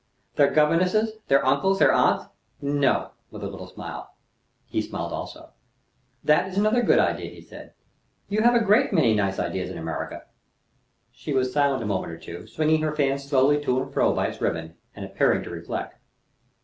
"Their governesses, their uncles, their aunts?" "No," with a little smile. He smiled also. "That is another good idea," he said. "You have a great many nice ideas in America." She was silent a moment or so, swinging her fan slowly to and fro by its ribbon, and appearing to reflect.